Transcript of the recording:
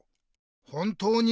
「本当に？」。